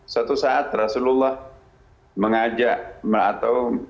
suatu saat rasulullah mengajak atau